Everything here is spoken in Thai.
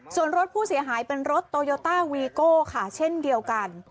ส่วนรถผู้เสียหายเป็นรถโตโยต้าวีโก้ค่ะเช่นเดียวกัน